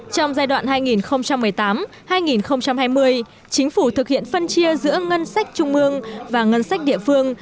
trong giai đoạn hai nghìn một mươi tám hai nghìn hai mươi chính phủ thực hiện phân chia giữa ngân sách trung mương và ngân sách địa phương